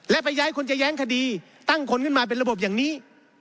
และไปย้ายคนจะแย้งคดีตั้งคนขึ้นมาเป็นระบบอย่างนี้